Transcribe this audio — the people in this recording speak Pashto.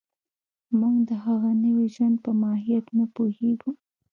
موږ د هغه نوي ژوند په ماهیت نه پوهېږو